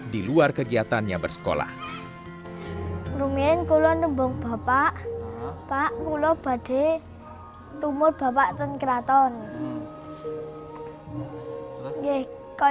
di luar kegiatannya bersekolah